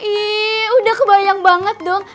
ih udah kebayang banget dong